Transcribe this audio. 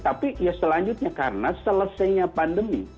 tapi ya selanjutnya karena selesainya pandemi